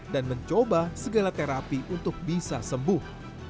dan mencoba segala terapi untuk bisa sembuh